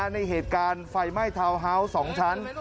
ในเหตุการณ์ไฟไหม้ทาวน์ฮาวส์๒ชั้น